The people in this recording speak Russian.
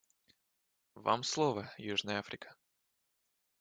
Вам слово, Южная Африка.